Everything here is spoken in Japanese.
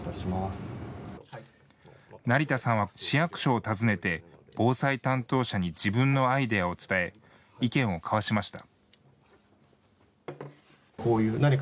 成田さんは、市役所を訪ねて防災担当者に自分のアイデアを伝え意見を交わしました。